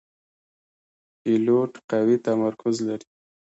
پیلوټ قوي تمرکز لري.